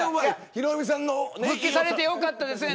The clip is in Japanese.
復帰されて良かったですね